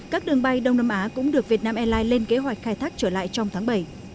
các đường bay đông nam á cũng được việt nam airlines lên kế hoạch khai thác trở lại trong tháng bảy